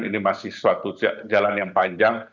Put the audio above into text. ini masih suatu jalan yang panjang